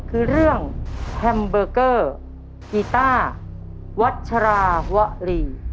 คือเรื่องแฮมเบอร์เกอร์กีต้าวัชราวรี